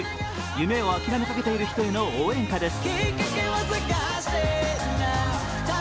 夢を諦めかけている人への応援歌です。